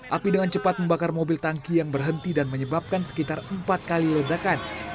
api dengan cepat membakar mobil tangki yang berhenti dan menyebabkan sekitar empat kali ledakan